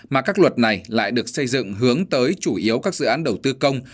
mà các luật này lại được xây dựng hướng tới chủ yếu các dự án đầu tư công